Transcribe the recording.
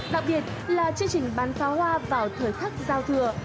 đặc biệt là chương trình bán pháo hoa vào thời khắc giao thừa